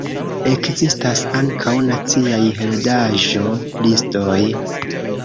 Ekzistas ankaŭ naciaj heredaĵo-listoj.